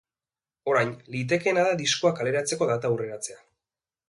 Orain, litekeena da diskoa kaleratzeko data aurreratzea.